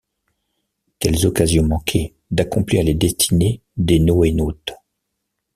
Quelles occasions manquées d’accomplir les destinées des NoéNautes.